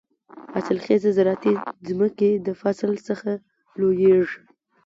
حاصل خېزه زراعتي ځمکې د فصل څخه لوېږي.